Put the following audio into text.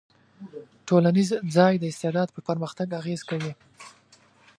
ټولنیز ځای د استعداد په پرمختګ اغېز کوي.